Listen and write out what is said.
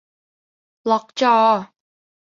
ล็อกจอ